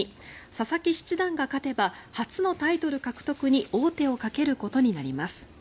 佐々木七段が勝てば初のタイトル獲得に王手をかけることになります。